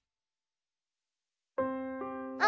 「あ！」